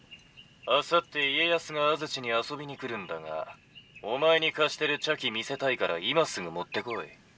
「あさって家康が安土に遊びに来るんだがお前に貸してる茶器見せたいから今すぐ持ってこい」。